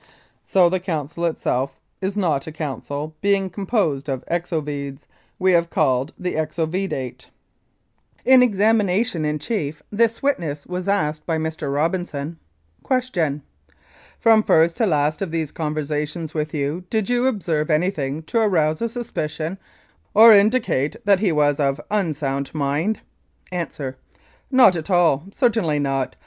So the 210 Louis Kiel: Executed for Treason council itself is not a council, and being composed of Exovedes, we have called the Exovedate." In examination in chief this witness was asked by Mr. Robinson : Q. From first to last of these conversations with you, did you observe anything to arouse a suspicion or indicate that he was of unsound mind? A. Not at all certainly not.